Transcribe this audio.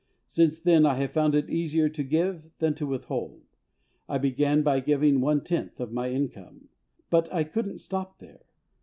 Since then, I have found it easier to give than to withhold. I began by giving one tenth of my income, but I couldn't stop there.